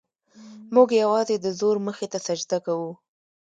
موږ یوازې د زور مخې ته سجده کوو.